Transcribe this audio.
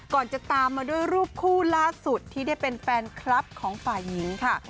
จะตามมาด้วยรูปคู่ล่าสุดที่ได้เป็นแฟนคลับของฝ่ายหญิงค่ะ